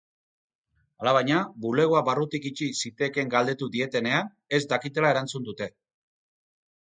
Alabaina, bulegoa barrutik itxi zitekeen galdetu dietenean ez dakitela erantzun dute.